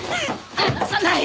離さない！